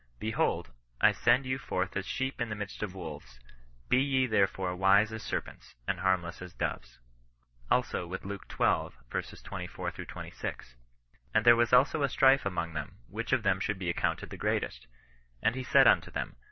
Be hold, I send you forth as sheep in the midst of wolves : be ye therefore wise as serpents, and harmless as doves." Also with Luke xxii. 24 — 26. " And there was also a strife among them, which of them should be accounted the greatest. And he said unto them.